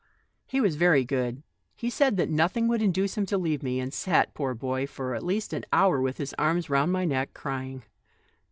He was very good ; he said that nothing would induce him to leave me, and sat, poor child, for at least an hour with his arms round my neck, crying.